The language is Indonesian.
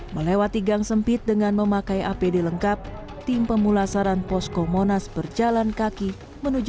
melewati gang sempit dengan memakai apd lengkap tim pemulasaran posko monas berjalan kaki menuju